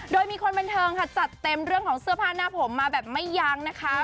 โดยมีคนบันเทิงค่ะจัดเต็มเรื่องของเสื้อผ้าหน้าผมมาแบบไม่ยั้งนะคะ